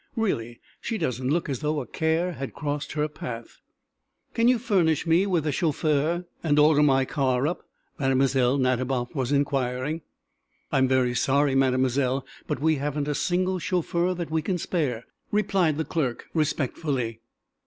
"Really, she doesn't look as though a care had crossed her path." "Can you furnish me with a chauffeur, and order my car up?" Mlle. Nadiboff was inquiring. "I am very sorry, Mademoiselle, but we haven't a single chauffeur that we can spare," replied the clerk, respectfully.